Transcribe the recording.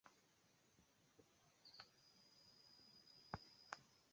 Kasisto de la gazeto Esperanta Ligilo.